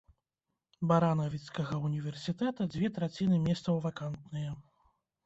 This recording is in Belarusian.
Баранавіцкага ўніверсітэта дзве траціны месцаў вакантныя.